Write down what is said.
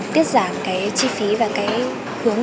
tiết giảm cái chi phí và cái hướng